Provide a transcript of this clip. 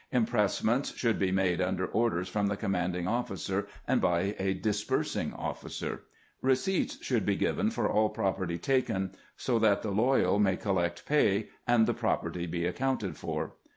Impressments should be made under orders from the commanding officer and by a disbursing officer. Eeceipts should be given for all property taken, so that the loyal may col lect pay and the property be accounted for."